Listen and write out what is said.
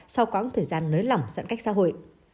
sau quãng thời gian nới lỏng giãn cách xã hội